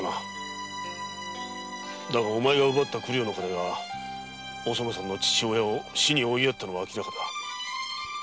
だがお前が奪った九両がおそのさんの父親を死に追いやったのは明らかだ。